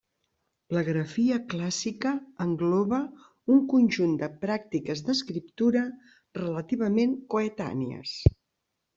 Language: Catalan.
La grafia clàssica engloba un conjunt de pràctiques d'escriptura relativament coetànies.